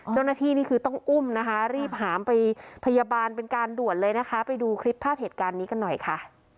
นี่คือต้องอุ้มนะคะรีบหามไปพยาบาลเป็นการด่วนเลยนะคะไปดูคลิปภาพเหตุการณ์นี้กันหน่อยค่ะ